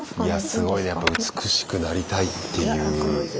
すごいねやっぱ美しくなりたいっていう気持ちは。